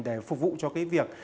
để phục vụ cho cái việc